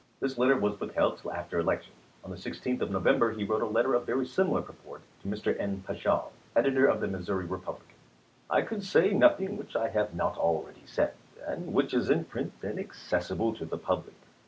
This letter was withheld till after election. On the 16th of November he wrote a letter of very similar purport to Mr. N. Paschal, editor of the " Missouri Eepublican." I could say nothing which I have not already said, and which is in print, and accessible to the public.